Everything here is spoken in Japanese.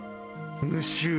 無臭。